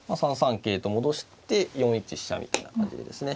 桂と戻して４一飛車みたいな感じでですね